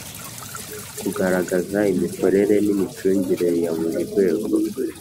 Kugaragaza imikorere n’ imicungire yaburi rwego